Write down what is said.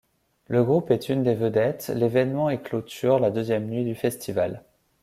Le groupe est une des vedettes l'événement et clôture la deuxième nuit du festival.